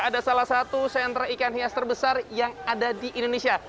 ada salah satu sentra ikan hias terbesar yang ada di indonesia